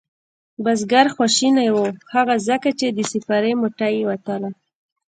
بزگر خواشینی و هغه ځکه چې د سپارې موټۍ یې وتله.